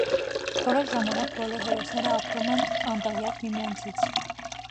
Որոշ ժամանակ բոլոր հերոսները ապրում են՝ «անտեղյակ» միմյանցից։